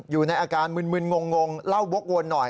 อยู่ในอาการมึนงงเล่าวกวนหน่อย